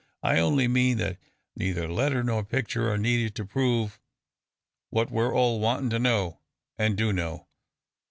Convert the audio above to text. I only mean that neither letter nor picture are needed to prove what we're all wantin' to know, an' do know.